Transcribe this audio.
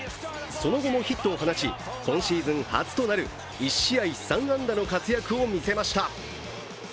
その後もヒットを放ち、今シーズン初となる１試合３安打の活躍を見せました。